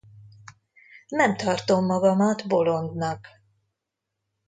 Nem tartom magamat bolondnak.